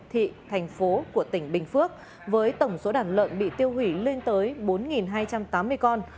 thị thành phố của tỉnh bình phước với tổng số đàn lợn bị tiêu hủy lên tới bốn hai trăm tám mươi con